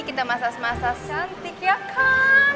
kita massage massage cantik ya kan